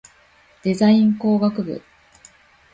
デザイン工学部